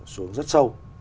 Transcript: xuống rất sâu